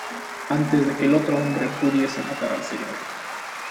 Antes de que el otro hombre pudiese matar al Sr.